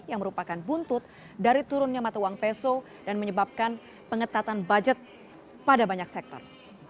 yang merupakan buntut dari turunnya mata uang peso dan menyebabkan pengetatan budget pada banyak sektor